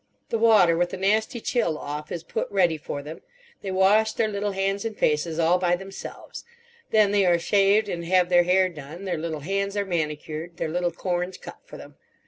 The water, with the nasty chill off, is put ready for them; they wash their little hands and faces, all by themselves! Then they are shaved and have their hair done; their little hands are manicured, their little corns cut for them.